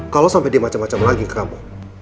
kalau sampai dia macam macam lagi ke kamu